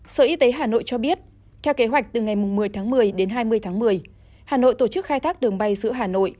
sở y tế hà nội cho biết theo kế hoạch từ ngày một mươi tháng một mươi đến hai mươi tháng một mươi hà nội tổ chức khai thác đường bay giữa hà nội